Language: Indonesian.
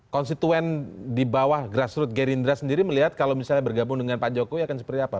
konstituen di bawah grassroot gerindra sendiri melihat kalau misalnya bergabung dengan pak jokowi akan seperti apa